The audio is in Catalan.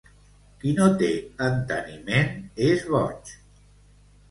Qui no té enteniment és boig.